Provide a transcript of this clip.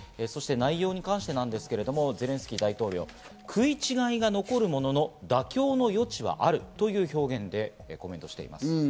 そして内容に関してですけれどもゼレンスキー大統領、食い違いが残るものの、妥協の余地はあるという表現でコメントしています。